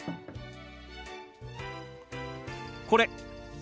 これ。